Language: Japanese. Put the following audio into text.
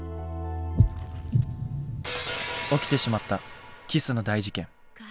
起きてしまったキスの大事件。